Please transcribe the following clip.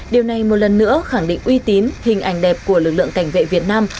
điều này một lần nữa khẳng định uy tín hình ảnh đẹp của lực lượng cảnh vệ việt nam